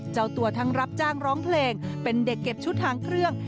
เจ้าตัวทั้งรับจ้างร้องเพลงเป็นเด็กเก็บชุดทางเครื่อง